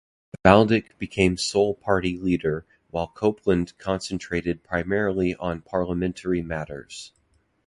Baldock became sole party leader, while Copeland concentrated primarily on parliamentary matters.